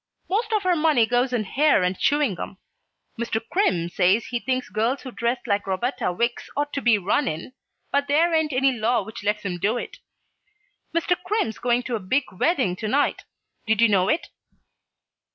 Most of her money goes in hair and chewing gum. Mr. Crimm says he thinks girls who dress like Roberta Wicks ought to be run in, but there ain't any law which lets him do it. Mr. Crimm's going to a big wedding to night. Did you know it?"